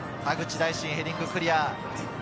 大慎、ヘディングクリア。